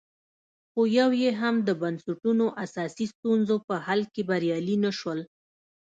خو یو یې هم د بنسټونو اساسي ستونزو په حل کې بریالي نه شول